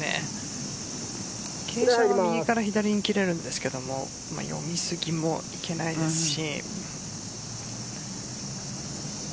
傾斜は右から左に切れるんですけど読み過ぎもいけないですし。